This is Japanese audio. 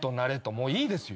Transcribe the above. もういいですよ。